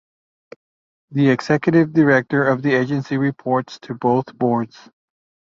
The executive director of the agency reports to both boards.